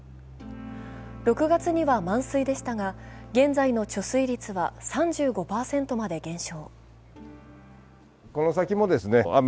６月には満水でしたが現在の貯水率は３５％まで減少。